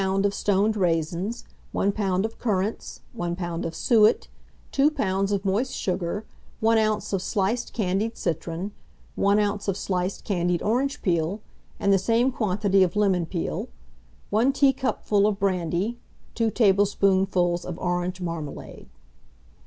of stoned raisins, 1 lb. of currants, 1 lb. of suet, 2 lbs. of moist sugar, 1 oz. of sliced candied citron, 1 oz. of sliced candied orange peel, and the same quantity of lemon peel, 1 teacupful of brandy, 2 tablespoonfuls of orange marmalade.